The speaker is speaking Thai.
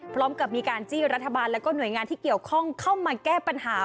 พร้อมกับมีการจี้รัฐบาลแล้วก็หน่วยงานที่เกี่ยวข้องเข้ามาแก้ปัญหา